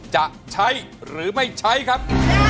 จะใช้หรือไม่ใช้ครับ